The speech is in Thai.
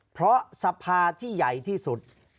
เพราะสภาที่ใหญ่ที่สุด